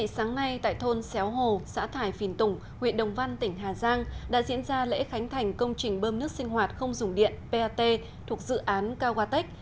sáng nay tại thôn xéo hồ xã thải phìn tùng huyện đồng văn tỉnh hà giang đã diễn ra lễ khánh thành công trình bơm nước sinh hoạt không dùng điện pat thuộc dự án cao qua tech